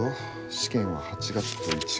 試験は８月と１月。